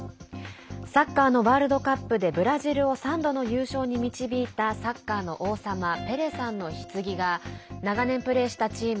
サッカーのワールドカップでブラジルを３度の優勝に導いたサッカーの王様ペレさんのひつぎが長年プレーしたチーム